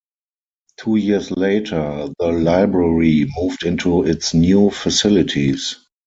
Two years later, the library moved into its new facilities.